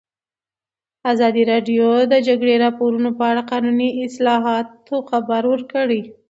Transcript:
ازادي راډیو د د جګړې راپورونه په اړه د قانوني اصلاحاتو خبر ورکړی.